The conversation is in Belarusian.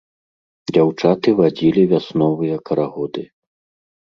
Дзяўчаты вадзілі вясновыя карагоды.